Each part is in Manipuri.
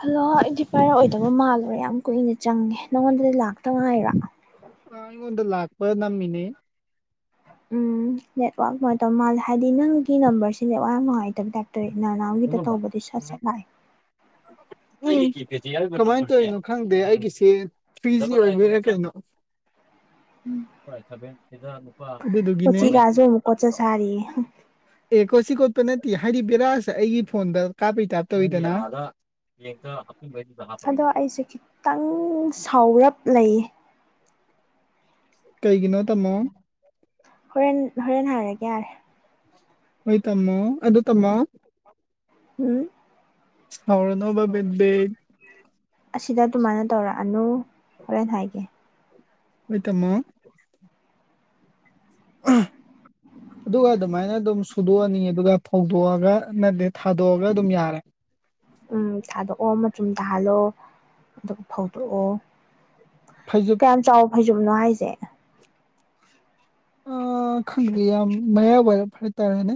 ꯍꯜꯂꯣ ꯑꯩꯗꯤ ꯄꯥꯏꯔꯛ ꯑꯣꯏꯗꯕ ꯃꯥꯜꯂꯨꯔꯦ ꯌꯥꯝ ꯀꯨꯏꯅ ꯆꯪꯉꯦ ꯅꯪꯉꯣꯟꯗꯗꯤ ꯂꯥꯛꯇ ꯉꯥꯏꯔ ꯑ ꯑꯩꯉꯣꯟꯗ ꯂꯥꯛꯄ ꯅꯝꯃꯤꯅꯦ ꯎꯝ ꯅꯦꯠꯋꯥꯛ ꯅꯨꯡꯉꯥꯏꯇ ꯃꯥꯜꯂꯦ ꯍꯥꯏꯗꯤ ꯅꯪꯒꯤ ꯅꯝꯕꯔꯁꯦ ꯅꯦꯠꯋꯥꯛ ꯌꯥꯝ ꯅꯨꯡꯉꯥꯏꯇꯕ ꯇꯥꯏ ꯇꯦ ꯅꯅꯥꯎꯒꯤꯗ ꯇꯧꯕꯗꯤ ꯁꯠ ꯁꯠ ꯂꯥꯛꯑꯦ ꯍꯜꯂꯣ ꯅꯪꯒꯤ ꯀꯤꯄꯦꯠꯇ ꯌꯥꯎꯔꯤꯕ ꯅꯝꯕꯔꯖꯦ ꯀꯃꯥꯏꯅ ꯇꯧꯔꯤꯅꯣ ꯈꯪꯗꯦ ꯑꯩꯒꯤꯁꯦ ꯊ꯭ꯔꯤ ꯖꯤ ꯑꯣꯏꯕꯩꯔ ꯀꯩꯅꯣ ꯎꯝ ꯐꯣꯔ ꯑꯥꯏꯠ ꯁꯚꯦꯟ ꯁꯤꯖ ꯂꯨꯄ ꯑꯗꯨꯗꯨꯒꯤꯅꯦ ꯐꯣꯔ ꯀꯣꯆꯤꯒꯥꯁꯨ ꯑꯃꯨꯛ ꯀꯣꯠꯆ ꯑꯥꯏꯠ ꯁꯥꯔꯤꯌꯦ ꯑꯦ ꯀꯣꯆꯤ ꯀꯣꯠꯄ ꯅꯠꯇꯦ ꯍꯥꯏꯗꯤ ꯕꯦꯔꯥꯁ ꯑꯩꯒꯤ ꯐꯣꯟꯗ ꯀꯥꯞꯄꯩ ꯇꯥꯏꯞ ꯇꯧꯋꯤꯗꯅ ꯑꯗꯣ ꯑꯩꯁꯦ ꯈꯤꯇꯪ ꯁꯥꯎꯔꯞ ꯂꯩꯌꯦ ꯀꯩꯒꯤꯅꯣ ꯇꯝꯃꯣ ꯍꯣꯔꯦꯟ ꯍꯣꯔꯦꯟ ꯍꯥꯏꯔꯒꯦ ꯌꯥꯔꯦ ꯍꯣꯏ ꯇꯝꯃꯣ ꯑꯗꯣ ꯇꯝꯃꯣ ꯍꯝ ꯁꯥꯎꯔꯅꯣꯕ ꯕꯦꯕꯤ ꯑꯁꯤꯗ ꯑꯗꯨꯃꯥꯏꯅ ꯇꯧꯔꯛꯑꯅꯨ ꯍꯣꯔꯦꯟ ꯍꯥꯏꯒꯦ ꯍꯣꯏ ꯇꯝꯃꯣ [unintelligible] ꯑꯗꯨꯒ ꯑꯗꯨꯃꯥꯏꯅ ꯗꯨꯝ ꯁꯨꯗꯣꯑꯅꯤ ꯑꯗꯨꯒ ꯐꯧꯗꯣꯑꯒ ꯅꯠꯇꯦ ꯊꯥꯗꯣꯑꯒ ꯑꯗꯨꯝ ꯌꯥꯔꯦ ꯎꯝ ꯊꯥꯗꯣꯛꯑꯣ ꯃꯆꯨꯝ ꯇꯥꯍꯜꯂꯣ ꯑꯗꯨꯒ ꯐꯧꯗꯣꯑꯣ ꯐꯩꯖꯨꯞ ꯀꯌꯥꯝ ꯆꯥꯎ ꯐꯩꯖꯨꯞꯅꯣ ꯍꯥꯏꯖꯦ ꯑ ꯈꯪꯗꯦ ꯌꯥꯝ ꯃꯌꯥꯏꯋꯥꯏꯔꯞ ꯍꯥꯏꯇꯥꯔꯦꯅꯦ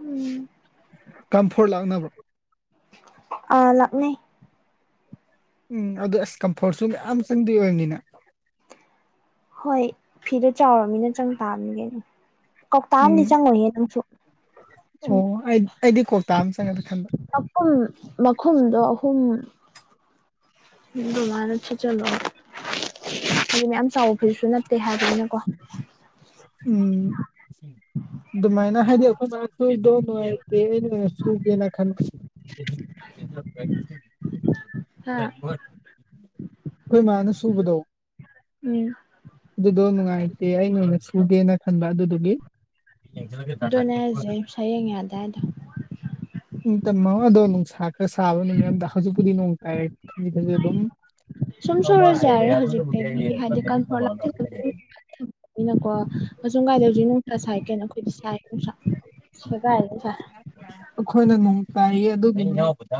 ꯎꯝ ꯀꯝꯐꯣꯔꯠ ꯂꯥꯛꯅꯕ꯭ꯔꯣ ꯑ ꯂꯥꯛꯅꯩ ꯎꯝ ꯑꯗꯨ ꯑꯁ ꯀꯝꯐꯣꯔꯠꯁꯨ ꯃꯌꯥꯝ ꯆꯪꯗꯣꯏ ꯑꯣꯏꯝꯅꯤꯅꯦ ꯍꯣꯏ ꯐꯤꯗꯣ ꯆꯥꯎꯔꯝꯃꯤꯅ ꯆꯪ ꯇꯥꯝꯅꯤ ꯀꯩꯅꯣ ꯀꯧꯇꯥ ꯑꯝꯗꯤ ꯎꯝ ꯆꯪꯉꯣꯏꯍꯦ ꯅꯪꯁꯨ ꯑꯣ ꯁꯨꯝ ꯑꯩꯠ ꯑꯩꯗꯤ ꯀꯧꯇꯥ ꯑꯃ ꯆꯪꯉꯗ ꯈꯟꯕ ꯎꯝ ꯃꯈꯨꯝꯗꯣ ꯑꯍꯨꯝ ꯗꯨꯃꯥꯏꯅ ꯊꯤꯆꯜꯂꯣ ꯍꯥꯏꯗꯤ ꯃꯌꯥꯝ ꯆꯥꯎꯕ ꯐꯩꯖꯨꯞꯁꯨ ꯅꯠꯇꯦ ꯍꯥꯏꯕꯅꯤꯅꯀꯣ ꯎꯝ ꯗꯨꯃꯥꯏꯅ ꯍꯥꯏꯗꯤ ꯑꯈꯣꯏꯕꯥꯟ ꯅꯣꯏꯗꯣ ꯂꯣꯏ [unintelligible] ꯂꯣꯏꯔ ꯁꯨꯒꯦꯅ ꯈꯟꯕ ꯍꯥ [unintelligible] ꯈꯣꯏ ꯃꯥꯅ ꯁꯨꯕꯗꯣ ꯎꯝ ꯗꯨꯗꯣ ꯅꯨꯡꯉꯥꯏꯇꯦ ꯑꯩꯅ ꯑꯣꯏꯅ ꯁꯨꯒꯦꯅ ꯈꯟꯕ ꯑꯗꯨꯗꯨꯒꯤ ꯗꯨꯅꯦ ꯍꯥꯏꯖꯦ ꯁꯌꯦꯡ ꯌꯥꯗꯦ ꯍꯥꯏꯗꯣ [unintelligible] ꯅꯨꯡꯁꯥ ꯈꯔ ꯁꯥꯕ ꯅꯨꯃꯤꯠ ꯑꯝꯗ ꯍꯧꯖꯤꯛꯄꯨꯗꯤ ꯅꯣꯡ ꯇꯥꯏꯌꯦ ꯈꯖꯤꯛ ꯈꯖꯤꯛ ꯑꯗꯨꯝ ꯁꯨꯝ ꯁꯨꯔꯖꯨ ꯌꯥꯔꯦ ꯍꯧꯖꯤꯛꯇꯒꯤ ꯍꯥꯏꯗꯤ [unintelligible] ꯅꯀꯣ ꯑꯁꯨꯝ ꯀꯥꯏꯗ ꯍꯧꯖꯤꯛ ꯅꯨꯡꯁꯥ ꯁꯥꯏ ꯀꯩꯅꯣ ꯈꯣꯏꯗꯤ ꯁꯥꯏ ꯅꯨꯡꯁꯥ ꯁꯒꯥꯏꯒꯩ ꯁꯥꯏ ꯑꯈꯣꯏꯅ ꯅꯣꯡ ꯇꯥꯏꯌꯦ ꯑꯗꯨꯒꯤ ꯏꯅꯥꯎꯕꯗ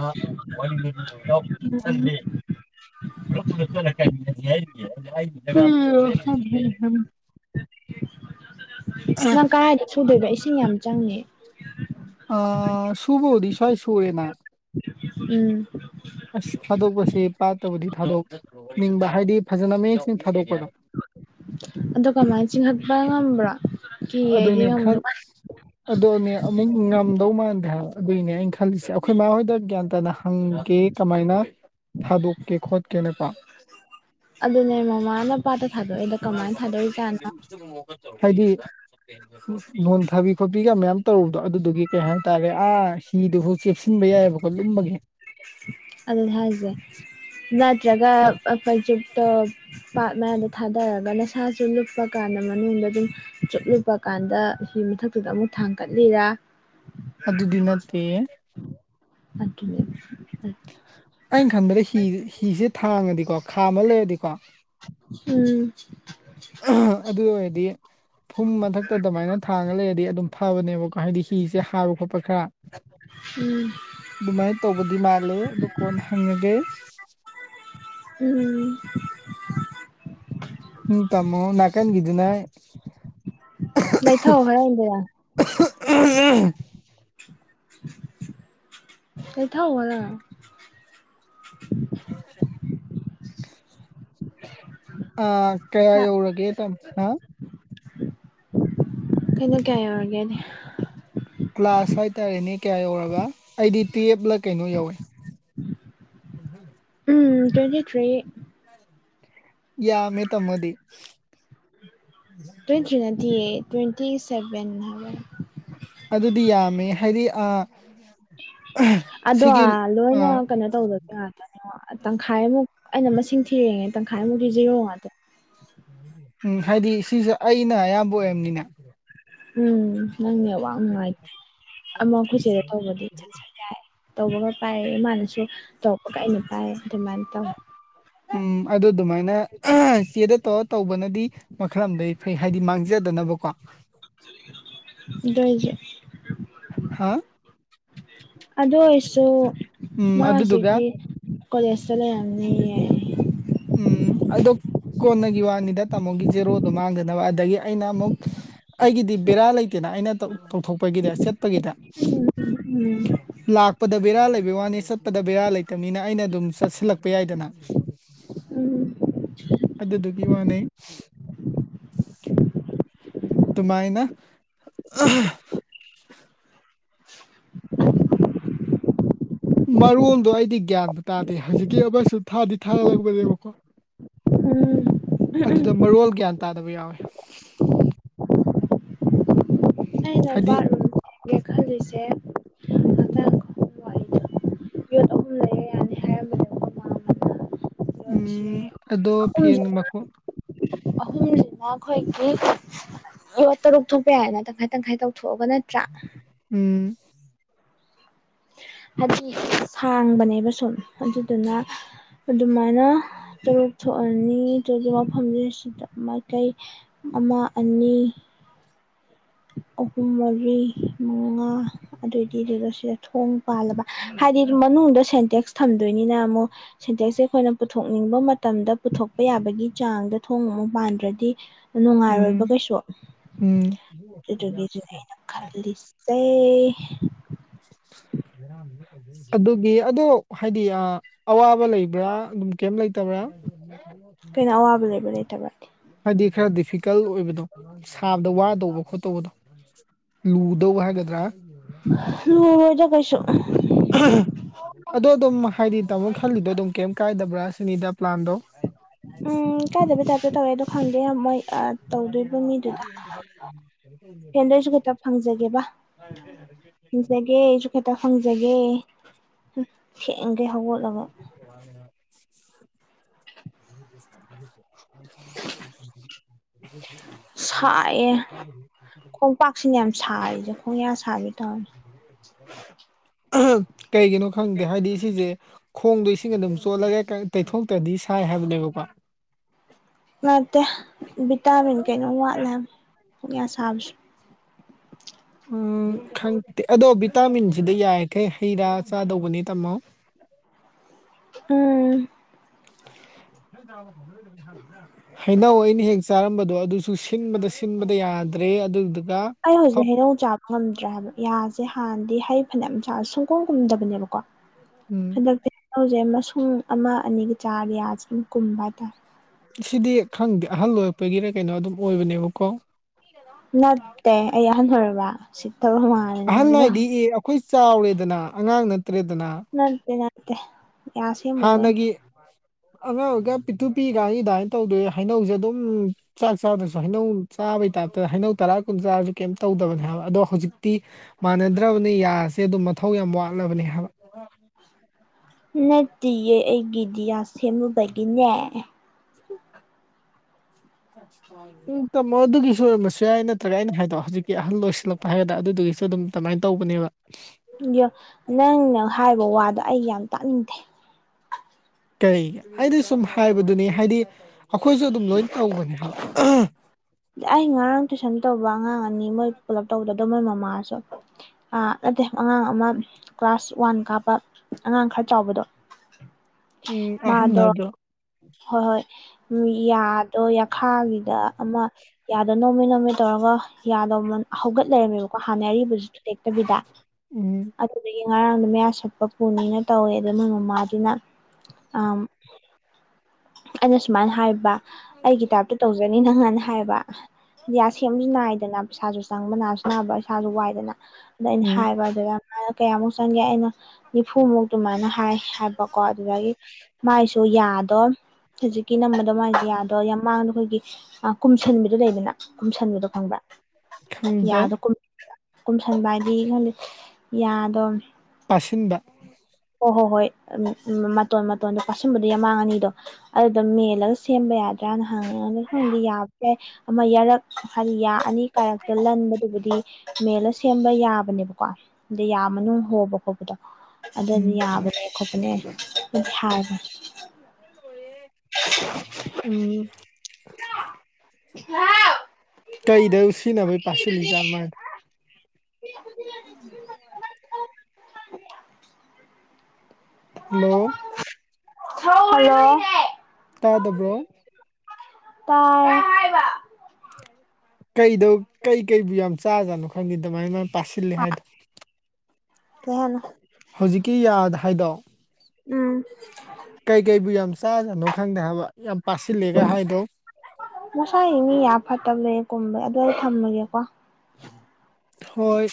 ꯋꯥꯔꯤꯗꯣ ꯂꯤꯌꯨ ꯏꯅꯥꯎꯕ [unintelligible] ꯄꯨꯂꯞ ꯄꯨꯂꯞ ꯆꯠꯂ ꯀꯥꯏꯃꯤꯅꯖꯤ ꯍꯥꯏꯗꯨꯗꯤ [unintelligible] ꯅꯪ ꯀꯔꯥꯏꯗ ꯁꯨꯗꯣꯏꯕ ꯏꯁꯤꯡ ꯌꯥꯝ ꯆꯪꯅꯤ ꯑ ꯁꯨꯕꯕꯨꯗꯤ ꯁꯋ꯭ꯥꯏ ꯁꯨꯔꯦꯅ ꯎꯝ ꯑꯁ ꯊꯥꯗꯣꯛꯄꯁꯦ ꯄꯥꯠꯇꯕꯨꯗꯤ ꯊꯥꯗꯣꯛꯅꯤꯡꯕ ꯍꯥꯏꯗꯤ ꯐꯖꯅ ꯃꯌꯦꯛ ꯁꯦꯡ ꯊꯥꯗꯣꯛꯄꯗꯣ ꯑꯗꯣ ꯀꯃꯥꯏ ꯆꯤꯡꯍꯠꯄ ꯉꯝꯕ꯭ꯔꯥ ꯀꯤꯌꯦ ꯑꯩꯗꯤ ꯉꯝꯗꯧ ꯑꯗꯣꯅꯦ ꯑꯃꯨꯛ ꯉꯝꯗꯧ ꯃꯥꯟꯗꯦ ꯍꯥꯏꯕ ꯑꯗꯨꯏꯅꯦ ꯑꯩꯅ ꯈꯜꯂꯤꯁꯦ ꯑꯈꯣꯏ ꯃꯥ ꯍꯣꯏꯗ ꯒ꯭ꯌꯥꯟ ꯇꯥꯅ ꯍꯪꯒꯦ ꯀꯃꯥꯏꯅ ꯊꯥꯗꯣꯛꯀꯦ ꯈꯣꯠꯀꯦꯅꯀꯣ ꯑꯗꯨꯅꯦ ꯃꯃꯥꯅ ꯄꯥꯠꯇ ꯊꯥꯗꯣꯛꯏꯗꯣ ꯀꯃꯥꯏꯟ ꯊꯥꯗꯣꯛꯏꯖꯥꯠꯅꯣ ꯇꯨꯝ ꯍꯧꯒꯠꯇꯕ ꯃꯤꯗꯨꯗ ꯍꯥꯏꯗꯤ ꯂꯣꯟ ꯊꯥꯕꯤ ꯈꯣꯠꯄꯤꯒ ꯃꯌꯥꯝ ꯇꯧꯔꯕꯗꯣ ꯑꯗꯨꯗꯨꯒꯤ ꯀꯩ ꯍꯥꯏꯇꯥꯔꯦ ꯑꯥꯁ ꯍꯤꯗꯨꯖꯨ ꯆꯦꯞꯁꯤꯟꯕ ꯌꯥꯏꯑꯕꯀꯣ ꯂꯨꯝꯕꯒꯤ ꯑꯗꯨꯨꯅꯦ ꯍꯥꯏꯖꯦ ꯅꯠꯇ꯭ꯔꯒ ꯑꯥꯐꯩꯖꯨꯞꯇꯣ ꯄꯥꯠ ꯃꯌꯥꯏꯗ ꯊꯥꯗꯔꯒ ꯅꯁꯥꯁꯨ ꯂꯨꯞꯄ ꯀꯥꯟꯗ ꯃꯅꯨꯡꯗ ꯗꯨꯝ ꯆꯨꯨꯞ ꯂꯨꯞꯞ ꯀꯥꯟꯗ ꯍꯤ ꯃꯊꯛꯇꯨꯗ ꯑꯃꯨꯛ ꯊꯥꯡꯀꯠꯂꯤꯔꯥ ꯑꯗꯨꯗꯤ ꯅꯠꯇꯦ ꯑꯗꯨꯅꯦꯕ ꯑꯠ ꯑꯩꯟ ꯈꯟꯕꯗ ꯍꯤ ꯍꯤꯖꯦ ꯊꯥꯡꯉꯗꯤꯀꯣ ꯈꯥꯝꯃ ꯂꯩꯔꯗꯤꯀꯣ ꯎꯝ ꯑꯗꯨ ꯑꯣꯏꯔꯗꯤ ꯐꯨꯝ ꯃꯊꯛꯇ ꯑꯗꯨꯃꯥꯏꯅ ꯊꯥꯡꯉ ꯂꯩꯔꯗꯤ ꯑꯗꯨꯝ ꯐꯕꯅꯦꯕꯀꯣ ꯍꯥꯏꯗꯤ ꯍꯤꯁꯦ ꯍꯥꯏꯕ ꯈꯣꯠꯄ ꯈꯔ ꯎꯝ ꯑꯗꯨꯃꯥꯏꯅ ꯇꯧꯕꯗꯤ ꯃꯥꯜꯂꯦ ꯑꯗꯨ ꯀꯣꯟꯅ ꯍꯪꯉꯒꯦ ꯎꯝ ꯎꯝ ꯇꯃꯣ ꯅꯥ ꯀꯥꯟꯒꯤꯗꯨꯅ ꯂꯩꯊꯧ ꯍꯥꯏꯔ ꯏꯟꯗꯔ [unintelligible] ꯎ ꯎ ꯂꯩꯊꯧ ꯈꯔ [inaudible] ꯑꯥ ꯀꯌꯥ ꯌꯧꯔꯒꯦ ꯇꯥꯝ ꯍꯥ ꯀꯩꯅꯣ ꯀꯌꯥ ꯌꯧꯔꯒꯦꯗꯤ ꯀ꯭ꯂꯥꯁ ꯍꯥꯏꯇꯥꯔꯦꯅꯦ ꯀꯌꯥ ꯌꯧꯔꯖ ꯑꯩꯗꯤ ꯇꯨꯌꯦꯞꯂ ꯀꯩꯅꯣ ꯌꯧꯌꯦ [unintelligible] ꯎꯝ ꯇ꯭ꯋꯦꯟꯇꯤ ꯊ꯭ꯔꯤ ꯌꯥꯝꯃꯦ ꯇꯝ ꯃꯗꯤ ꯇ꯭ꯋꯦꯟꯇꯤ ꯊ꯭ꯔꯤ ꯅꯠꯇꯤꯌꯦ ꯇ꯭ꯋꯦꯟꯇꯤ ꯁꯚꯦꯟ ꯍꯥꯏꯕ ꯑꯗꯨꯗꯤ ꯌꯥꯝꯃꯦ ꯍꯥꯏꯗꯤ ꯑ ꯑꯗꯣ ꯂꯣꯏꯅ ꯑꯥ ꯀꯩꯅꯣ ꯇꯧꯗ ꯉꯥꯛꯇꯅꯦꯉꯣ ꯇꯪꯈꯥꯏꯃꯨꯛ ꯑꯩꯅ ꯃꯁꯤꯡ ꯊꯤꯔꯦꯉꯦ ꯇꯪꯈꯥꯏꯃꯨꯛꯇꯤ ꯖꯤꯔꯣ ꯉꯥꯛꯇ ꯎꯝ ꯍꯥꯏꯗꯤ ꯁꯤꯁꯦ ꯑꯩꯅ ꯑꯌꯥꯝꯕ ꯑꯣꯏꯝꯅꯤꯅ ꯎꯝ ꯅꯪ ꯅꯦꯠ ꯋꯥꯛ ꯅꯨꯡꯉꯥꯏꯇꯦ ꯑꯃ ꯑꯈꯣꯏ ꯆꯦꯗꯩ ꯇꯧꯕꯗꯤ ꯆꯠ ꯆꯠ ꯌꯥꯏ ꯇꯧꯕꯒ ꯄꯥꯏꯌꯦ ꯃꯥꯅꯁꯨ ꯇꯧꯔꯛꯄꯒ ꯑꯩꯅ ꯄꯥꯏ ꯑꯗꯨꯃꯥꯏꯅ ꯇꯧ ꯎꯝ ꯑꯗꯨ ꯑꯗꯨꯃꯥꯏꯅ ꯆꯦꯗ ꯇꯧ__ ꯇꯧꯕꯅꯗꯤ ꯃꯈꯜꯂꯝꯗꯩ ꯐꯩ ꯍꯥꯏꯗꯤ ꯃꯥꯡꯖꯗꯅꯕꯀꯣ ꯑꯗꯨꯑꯣꯏꯖꯨ ꯍꯥꯥ ꯑꯗꯨ ꯑꯣꯏꯔꯁꯨ ꯎꯝ ꯃꯥ ꯑꯗꯨꯗꯨꯒ ꯍꯧꯖꯤꯛꯇꯤ ꯀꯣꯂꯦꯁꯇ ꯂꯩꯔꯝꯅꯤꯌꯦ ꯎꯝ ꯑꯗꯣ ꯀꯣꯟꯅꯒꯤ ꯋꯥꯅꯤꯗ ꯇꯥꯃꯣꯒꯤ ꯖꯦꯔꯣꯗꯣ ꯃꯥꯡꯗꯅꯕ ꯑꯗꯒꯤ ꯑꯩꯅ ꯑꯃꯨꯛ__ ꯑꯩꯒꯤꯗꯤ ꯕꯦꯔꯥ ꯂꯩꯇꯦꯅ ꯑꯩꯅ ꯇꯧꯊꯣꯛꯄꯒꯤꯗ ꯁꯦꯠꯄꯒꯤꯗ ꯎꯝ ꯂꯥꯛꯄꯗ ꯕꯦꯔꯥ ꯂꯩꯕꯩ ꯋꯥꯅꯤ ꯆꯠꯄꯗ ꯕꯦꯔꯥ ꯂꯩꯇꯕꯅꯤꯅ ꯑꯩꯅ ꯑꯗꯨꯝ ꯆꯠꯁꯤꯜꯂꯛꯄ ꯌꯥꯏꯗꯅ [inaudible] ꯎꯝ ꯑꯗꯨꯗꯨꯒꯤ ꯋꯥꯅꯦ ꯑꯗꯨꯃꯥꯏꯅ [unintelligible] ꯃꯔꯣꯜꯗꯣ ꯑꯩꯗꯤ ꯒ꯭ꯌꯥꯟꯗ ꯇꯥꯗꯦ ꯍꯧꯖꯤꯛꯀꯤ ꯑꯩꯁꯨ ꯊꯥꯗꯤ ꯊꯥꯒꯜꯂꯛꯄꯅꯦꯕꯀꯣ ꯎꯝ ꯑꯗꯨꯗ ꯃꯔꯣꯜ ꯒ꯭ꯌꯥꯟ ꯇꯥꯗꯕ ꯌꯥꯎꯋꯦ ꯑꯩꯅ ꯍꯥꯏꯗꯤ ꯕꯥꯠꯔꯨꯝ [unintelligible] ꯉꯥꯛꯇꯪ ꯋꯥꯔꯤꯗꯣ [inaudible] ꯌꯣꯠ ꯑꯍꯨꯝ ꯂꯩꯔ ꯌꯥꯅꯤ ꯍꯥꯏꯔꯝꯕꯅꯦꯕꯀꯣ ꯃꯥ ꯑꯃꯅ ꯌꯣꯠꯁꯦ ꯎꯝ ꯑꯗꯣ ꯐꯦꯟꯗ ꯃꯈꯣ ꯑꯍꯨ ꯑꯗꯨꯅ ꯑꯩꯈꯣꯏꯒꯤ ꯌꯣꯠ ꯇꯔꯨꯛ ꯊꯣꯛꯄ ꯌꯥꯏ ꯍꯥꯏꯅ ꯇꯪꯈꯥꯏ ꯇꯪꯈꯥꯏ ꯇꯧꯊꯣꯛꯑꯒ ꯅꯠꯇ꯭ꯔꯥ ꯎꯝ ꯍꯥꯏꯗꯤ ꯁꯥꯡꯕꯅꯦꯕ ꯁꯨꯝ ꯑꯗꯨꯗꯨꯅ ꯑꯗꯨꯃꯥꯏꯅ ꯇꯔꯨꯛ ꯊꯣꯛꯑꯅꯤ ꯑꯗꯨ ꯃꯐꯝꯗꯨ ꯁꯤꯗ ꯃꯥꯏꯀꯩ ꯑꯃ ꯑꯅꯤ ꯑꯍꯨꯝ ꯃꯔꯤ ꯃꯉꯥ ꯑꯗꯨꯏꯗꯤ ꯁꯤꯗ ꯁꯦꯜ ꯊꯣꯡ ꯄꯥꯜꯂꯕ ꯍꯥꯏꯗꯤ ꯃꯅꯨꯡꯗ ꯁꯦꯟꯇꯦꯛꯁ ꯊꯝꯗꯣꯏꯅꯤꯅ ꯑꯃꯨꯛ ꯁꯦꯟꯇꯦꯛꯁꯦ ꯑꯩꯈꯣꯏꯅ ꯄꯨꯊꯣꯛꯅꯤꯡꯕ ꯃꯇꯝꯗ ꯄꯨꯊꯣꯛꯄ ꯌꯥꯕꯒꯤ ꯆꯥꯡꯗ ꯊꯣꯡ ꯑꯃꯨꯛ ꯄꯥꯟꯗ꯭ꯔꯗꯤ ꯅꯨꯡꯉꯥꯏꯔꯣꯏꯕ ꯎꯝ ꯀꯩꯁꯨ ꯎꯝ ꯑꯗꯨꯒꯤꯖꯨꯅꯦ ꯑꯩꯅ ꯈꯜꯂꯤꯁꯦ ꯑꯗꯨꯒꯤ ꯑꯗꯣ ꯍꯥꯏꯗꯤ ꯑꯥ ꯑꯋꯥꯕ ꯂꯩꯕ꯭ꯔꯥ ꯑꯗꯨꯝ ꯀꯩꯝ ꯂꯩꯇꯕ꯭ꯔꯥ ꯀꯩꯅꯣ ꯑꯋꯥꯕ ꯂꯩꯕ ꯂꯩꯇꯕ꯭ꯔꯗꯤ ꯍꯥꯏꯗꯤ ꯈꯔ ꯗꯤꯐꯤꯀꯜ ꯑꯣꯏꯕꯗꯣ ꯁꯥꯕꯗ ꯋꯥꯗꯧꯕ ꯈꯣꯠꯇꯧꯕꯗꯣ ꯂꯨꯗꯧꯕ ꯍꯥꯏꯒꯗ꯭ꯔꯥ [inaudible] ꯀꯩꯁꯨ [unintelligible] ꯑꯗꯣ ꯑꯗꯨꯝ ꯍꯥꯏꯗꯤ ꯇꯥꯃꯣ ꯈꯜꯂꯤꯗꯣ ꯑꯗꯨꯝ ꯀꯩꯝ ꯀꯥꯏꯗꯕ꯭ꯔꯥ ꯁꯤꯅꯤꯗ ꯄ꯭ꯂꯥꯟꯗꯣ ꯎꯝ ꯀꯥꯏꯗꯕ ꯇꯥꯏꯞꯇ ꯇꯧꯋꯦ ꯑꯗꯨ ꯈꯪꯗꯦ ꯃꯣꯏ ꯑꯥ ꯇꯧꯗꯣꯏꯕ ꯃꯤꯗꯨ ꯐꯦꯟꯗꯣ ꯑꯩꯖꯨ ꯈꯤꯇ ꯐꯪꯖꯒꯦꯕ [unintelligible] ꯍꯦꯛꯇ ꯍꯪꯖꯒꯦ ꯍꯨꯝ ꯊꯦꯡꯒꯩ ꯍꯧꯒꯠꯂꯒ [unintelligible] [inaudible] [unintelligible] ꯁꯥꯏꯌꯦ ꯈꯣꯡꯄꯥꯛꯁꯤꯅ ꯌꯥꯝ ꯁꯥꯔꯤꯁꯦ ꯈꯣꯡꯌꯥ ꯁꯥꯕꯤ ꯇꯧꯔꯅꯤ ꯀꯩꯒꯤꯅꯣ ꯈꯪꯗꯦ ꯍꯥꯏꯗꯤ ꯁꯤꯖꯦ ꯈꯣꯡꯗꯣ ꯏꯁꯤꯡ ꯑꯗꯨꯝ ꯆꯣꯠꯂꯒ ꯀꯥ ꯇꯩꯊꯣꯛꯇ꯭ꯔꯥꯗꯤ ꯁꯥꯏ ꯍꯥꯏꯕꯅꯦꯕꯀꯣ ꯅꯠꯇꯦ ꯚꯤꯇꯥꯃꯤꯟ ꯀꯩꯅꯣꯝ ꯋꯥꯠꯂꯦ ꯍꯥꯏꯝ ꯌꯥ ꯁꯥꯕꯁ ꯎꯝ ꯈꯪꯗꯦ ꯑꯗꯣ ꯚꯤꯇꯥꯃꯤꯟꯁꯤꯗ ꯌꯥꯔꯤꯈꯩ ꯍꯩꯔꯥ ꯆꯥꯗꯧꯕꯅꯦ ꯇꯥꯝꯃꯣ ꯎꯝ ꯍꯩꯅꯧ ꯑꯩꯅ ꯍꯦꯛꯁ ꯆꯥꯔꯝꯕꯗꯣ ꯑꯗꯨꯁꯨ ꯁꯤꯟꯕꯗ ꯁꯤꯟꯕꯗ ꯌꯥꯗ꯭ꯔꯦ ꯑꯗꯨꯗꯨꯒ ꯑꯩ ꯍꯧꯖꯤꯛ ꯐꯞ ꯍꯩꯅꯧ ꯆꯥꯕ ꯉꯝꯗ꯭ꯔꯦ ꯍꯥꯏꯕ ꯌꯥꯁꯦ ꯍꯥꯟꯅꯗꯤ ꯍꯩ ꯐꯅꯌꯥꯝ ꯆꯥ ꯁꯨꯡꯀꯨꯝ ꯀꯨꯝꯗꯕꯅꯦꯕꯀꯣ [inaudible] ꯎꯝ ꯍꯟꯗꯛꯇꯤ ꯂꯧꯁꯦ ꯃꯁꯨꯡ ꯑꯃ ꯑꯅꯤꯒ ꯆꯥꯔꯗꯤ ꯌꯥꯁꯦ ꯑꯗꯨꯝ ꯀꯨꯝꯕ ꯍꯥꯏꯇꯥꯔꯦ ꯁꯤꯗꯤ ꯈꯪꯗꯦ ꯑꯍꯜ ꯑꯣꯏꯔꯛꯄꯒꯤꯔ ꯀꯩꯅꯣ ꯑꯗꯨꯝ ꯑꯣꯏꯕꯅꯦꯕꯀꯣ ꯅꯠꯇꯦ ꯑꯩ ꯑꯍꯟ ꯑꯣꯏꯔꯕ ꯁꯤꯠꯇꯕ ꯃꯥꯜꯂꯦ ꯑꯍꯜ ꯅꯪꯒꯤꯗꯣ ꯍꯥꯏꯗꯤ ꯑꯦ ꯑꯩꯈꯣꯏ ꯆꯥꯎꯔꯦꯗꯅ ꯑꯉꯥꯡ ꯅꯠꯇ꯭ꯔꯦꯗꯅ ꯅꯠꯇꯦ ꯅꯠꯇꯦ ꯌꯥ ꯁꯦꯝꯃꯨꯕꯩꯅꯤ ꯍꯥꯟꯅꯒꯤ ꯑꯉꯥꯡ ꯑꯣꯏꯀꯥꯟ ꯄꯤꯛꯇꯨ ꯄꯤꯛꯏꯀꯥꯟꯒꯤ ꯗꯥꯏꯟ ꯇꯧꯗꯣꯏ ꯍꯩꯅꯧꯖꯦ ꯑꯗꯨꯝ ꯆꯥꯛ ꯆꯥꯗ꯭ꯔꯁꯨ ꯍꯩꯅꯧ ꯆꯥꯕꯩ ꯇꯥꯏꯞ ꯇꯧꯋꯦ ꯍꯩꯅꯧ ꯇꯔꯥ ꯀꯨꯟ ꯆꯥꯔꯁꯨ ꯀꯩꯝ ꯇꯧꯗꯕꯅꯦ ꯍꯥꯏꯕ ꯑꯗꯣ ꯍꯧꯖꯤꯛꯇꯤ ꯃꯥꯟꯅꯗ꯭ꯔꯕꯅꯤ ꯌꯥꯁꯦ ꯑꯗꯨꯝ ꯃꯊꯧ ꯌꯥꯝ ꯋꯥꯠꯂꯕꯅꯤ ꯍꯥꯏꯕ ꯅꯠꯇꯤꯌꯦ ꯑꯩꯒꯤꯗꯤ ꯌꯥ ꯁꯦꯝꯃꯨꯕꯒꯤꯅꯦ [inaudible] ꯎꯝ ꯇꯝꯃꯣ ꯑꯗꯨꯒꯤꯁꯨ ꯑꯣꯏꯔꯝꯕꯁꯨ ꯌꯥꯏ ꯅꯠꯇ꯭ꯔꯒ ꯑꯩꯅ ꯍꯥꯏꯗꯣ ꯍꯧꯖꯤꯛꯀꯤ ꯑꯍꯜ ꯑꯣꯏꯁꯤꯜꯂꯛꯄ ꯍꯥꯏꯒꯗ꯭ꯔꯥ ꯑꯗꯨꯗꯨꯒꯤꯁꯨ ꯑꯗꯨꯝ ꯇꯃꯥꯏ ꯇꯧꯕꯅꯦꯕ ꯌꯥ ꯅꯪꯅ ꯍꯥꯏꯕ ꯋꯥꯗꯣ ꯑꯩ ꯌꯥꯝ ꯇꯥꯅꯤꯡꯗꯦ ꯀꯩꯒꯤ ꯑꯩꯗꯤ ꯁꯨꯝ ꯍꯥꯏꯕꯗꯨꯅꯤ ꯍꯥꯏꯗꯤ ꯑꯩꯈꯣꯏꯁꯨ ꯑꯗꯨꯝ ꯂꯣꯏ ꯇꯧꯕꯅꯦ ꯍꯥꯏꯕ ꯑꯩ ꯉꯔꯥꯡ ꯇꯨꯏꯁꯟ ꯇꯧꯕ ꯑꯉꯥꯡ ꯑꯅꯤ ꯃꯣꯏ ꯄꯨꯂꯞ ꯇꯧꯗꯗꯣ ꯃꯣꯏ ꯃꯃꯥꯁꯨ ꯑꯥ ꯅꯠꯇꯦ ꯑꯉꯥꯡ ꯑꯃ ꯀ꯭ꯂꯥꯁ ꯋꯥꯟ ꯀꯥꯕ ꯑꯉꯥꯡ ꯈꯔ ꯆꯥꯎꯕꯗꯣ ꯎꯝ ꯑꯍꯟ ꯃꯥꯗꯣ ꯅꯠꯇ꯭ꯔꯣ ꯍꯣꯏ ꯍꯣꯏ ꯃꯤꯌꯥꯗꯣ ꯌꯥꯈꯥꯒꯤꯗ ꯑꯃ ꯌꯥꯗ ꯅꯣꯝꯃꯦ ꯅꯣꯝꯃꯦ ꯇꯧꯔꯒ ꯌꯥꯗ ꯃꯟ ꯍꯧꯒꯠ ꯂꯩꯔꯝꯃꯦꯕꯀꯣ ꯍꯥꯟꯅ ꯑꯔꯤꯕꯁꯨ ꯇꯦꯛꯇꯕꯤꯗ ꯎꯝ ꯑꯗꯨ ꯑꯗꯨꯗꯨꯒꯤ ꯉꯔꯥꯡ ꯃꯌꯥ ꯁꯠꯄ ꯄꯨꯅꯤꯅ ꯇꯧꯋꯦ ꯑꯗꯨ ꯃꯣꯏ ꯃꯃꯥꯗꯨꯅ ꯑꯝ ꯑꯩꯅ ꯁꯨꯃꯥꯏꯅ ꯍꯥꯏꯕ ꯑꯩꯒꯤ ꯇꯥꯏꯞꯇ ꯇꯧꯖꯅꯤ ꯅꯪ ꯑꯅ ꯍꯥꯏꯕ ꯌꯥ ꯁꯦꯝꯕꯅꯤ ꯅꯥꯏꯗꯅ ꯄꯩꯥꯁꯥꯖꯨ ꯆꯪꯕ ꯅꯥꯁꯨ ꯅꯥꯕ ꯏꯁꯥꯁꯨ ꯋꯥꯏꯗꯅ ꯑꯗ ꯑꯩꯅ ꯎꯝ ꯍꯥꯏꯕ ꯑꯗꯨꯗ ꯃꯥꯅ ꯀꯌꯥꯃꯨꯛ ꯆꯪꯒꯦ ꯑꯩꯅ ꯅꯤꯐꯨꯃꯨꯛ ꯑꯗꯨꯃꯥꯏꯅ ꯍꯥꯏ ꯍꯥꯏꯕꯀꯣ ꯑꯗꯨꯗꯒꯤ ꯃꯥꯏꯁꯨ ꯌꯥꯗꯣ ꯍꯧꯖꯤꯛꯀꯤ ꯅꯝꯕꯗꯣ ꯃꯥꯏꯗꯤ ꯌꯥꯗꯣ ꯌꯥꯝꯃꯥꯡꯗ ꯑꯩꯈꯣꯏꯒꯤ ꯀꯨꯝꯁꯤꯟꯕꯤꯗꯨ ꯂꯩꯗꯅ ꯀꯨꯝꯁꯟꯕꯗꯣ ꯈꯪꯕ꯭ꯔꯥ ꯈꯪꯗꯦ ꯌꯥꯗꯣ ꯀꯨꯝ ꯀꯨꯝꯁꯟꯕ ꯍꯥꯏꯗꯤ ꯈꯟꯗꯦ ꯌꯥꯗꯣ ꯑꯁꯤꯟꯕ ꯍꯣ ꯍꯣ ꯍꯣꯏ ꯎꯝ ꯎꯝ ꯃꯇꯣꯟ ꯃꯇꯣꯟꯗꯣ ꯄꯥꯁꯟꯕꯗꯨ ꯌꯥꯃꯥꯡ ꯑꯅꯤꯗꯣ ꯑꯩ ꯑꯗꯨꯝ ꯃꯦꯜꯂꯒ ꯁꯦꯝꯕ ꯌꯥꯗ꯭ꯔꯥꯅ ꯍꯪꯉꯦ ꯑꯗ ꯈꯪꯗꯤ ꯌꯥꯕ ꯌꯥꯢ ꯑꯃ ꯌꯥꯔꯛ ꯍꯥꯢꯗꯤ ꯌꯥ ꯑꯅꯤ ꯀꯥꯔꯛꯇ ꯂꯟꯕꯗꯨꯕꯨꯗꯤ ꯃꯦꯜꯂ ꯁꯦꯝꯕ ꯌꯥꯕꯅꯦꯕꯀꯣ ꯑꯗꯩ ꯌꯥꯝ ꯃꯅꯨꯡ ꯍꯣꯕ ꯈꯣꯠꯄꯗꯣ ꯎꯝ ꯑꯗꯨꯗꯤ ꯌꯥꯕꯅꯦ ꯈꯣꯠꯄꯅꯦ ꯑꯗꯨꯢ ꯍꯥꯏꯕꯅꯦ ꯂꯣꯢꯌꯦ ꯎꯝ [unintelligible] ꯀꯩꯗ ꯁꯤꯟꯅꯕꯩ ꯄꯥꯁꯤꯜꯂꯤ ꯖꯥꯠꯅꯣ ꯃꯥꯏ ꯕꯣꯢ [unintelligible] [inaudible] ꯍꯜꯂꯣ ꯍꯜꯂꯣ ꯇꯥꯗꯕ꯭ꯔꯣ ꯇꯥꯢ ꯀꯩꯗꯧ ꯀꯩ ꯀꯩꯕꯨ ꯌꯥꯝ ꯆꯥꯖꯥꯠꯅꯣ ꯈꯪꯗꯦ ꯗꯨꯃꯥꯏꯅ ꯄꯥꯁꯤꯜꯂꯦ ꯍꯥꯏꯗꯣ ꯀꯩ ꯍꯥꯢꯅꯣ ꯍꯧꯖꯤꯛꯀꯤ ꯌꯥꯗ ꯍꯥꯏꯗꯣ ꯎꯝ ꯀꯩꯀꯩꯕꯨ ꯌꯥꯝ ꯆꯥꯖꯅꯣ ꯈꯪꯗꯦ ꯍꯥꯕ ꯌꯥꯝ ꯄꯥꯁꯤꯜꯂꯦꯒ ꯍꯥꯏꯗꯣ ꯃꯁꯥꯒꯤ ꯃꯤ ꯌꯥ ꯐꯠꯇꯕ ꯂꯩ ꯀꯨꯝꯕ ꯑꯗꯨ ꯑꯩ ꯊꯝꯃꯒꯦꯀꯣ ꯍꯣꯏ